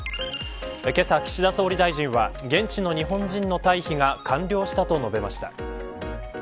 けさ、岸田総理大臣が現地の日本人の退避が完了したと述べました。